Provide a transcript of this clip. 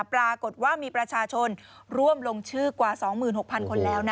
ปรากฏว่ามีประชาชนร่วมลงชื่อกว่า๒๖๐๐คนแล้วนะ